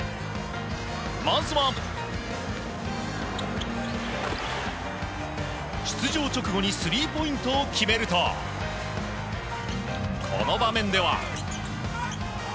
まずは、出場直後にスリーポイントを決めるとこの場面では。